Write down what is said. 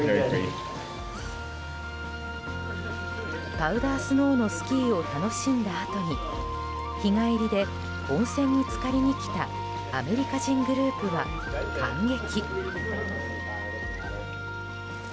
パウダースノーのスキーを楽しんだあとに日帰りで温泉に浸かりに来たアメリカ人グループは感激。